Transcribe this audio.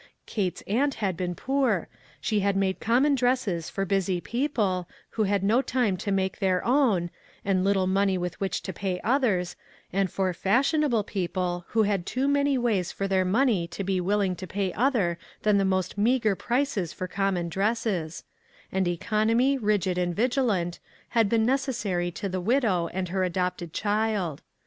Kate's aunt had been poor. She had made common dresses for busy people, who had no time to make their own, and little money with which to pay others, and for fashionable people who had too many ways for their money to be will ing to pay other than the most meagre prices for common dresses ; and economy, rigid and vigilant, had been necessary to the widow and her adopted child.